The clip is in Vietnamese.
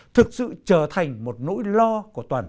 thực sự trở thành một nỗi lo của toàn xã hội